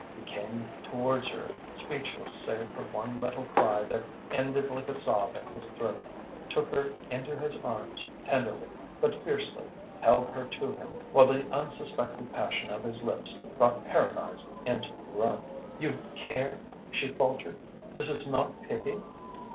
He came towards her, speechless save for one little cry that ended like a sob in his throat, took her into his arms tenderly but fiercely, held her to him while the unsuspected passion of his lips brought paradise into the room. "You care?" she faltered. "This is not pity?"